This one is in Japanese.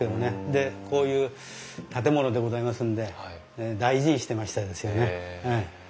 でこういう建物でございますんで大事にしてましたですよね。